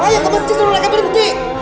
ayo ke masjid seluruh mereka berhenti